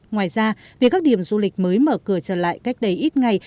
ngoài ra việc các điểm du lịch mới mở cửa trở lại cách đây ít ngày